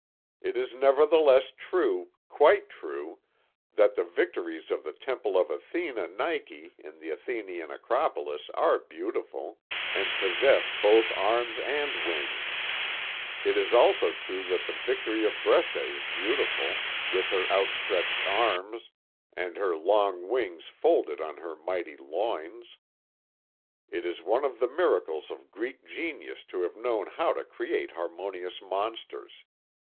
It is nevertheless true, quite true, that the Victories of the Temple of Athena Nike on the Athenian Acropolis are beautiful, and possess both arms and wings; it is also true that the Victory of Brescia is beautiful, with her outstretched arms and her long wings folded on her mighty loins. It is one of the miracles of Greek genius to have known how to create harmonious monsters.